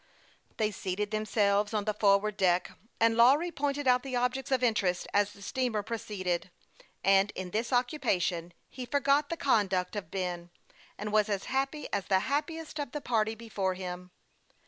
They seated themselves under the awning on the forward deck, and Lawry pointed out the objects of interest as the steamer proceeded ; and in this occupation he forgot the conduct of Ben, and was as happy as the happiest of the party before him.